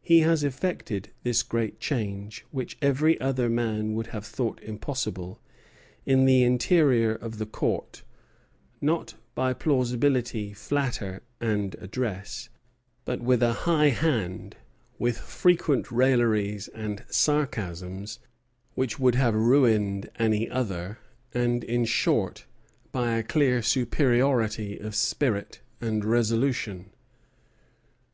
He has effected this great change, which every other man would have thought impossible, in the interior of the Court, not by plausibility, flattery, and address, but with a high hand, with frequent railleries and sarcasms which would have ruined any other, and, in short, by a clear superiority of spirit and resolution."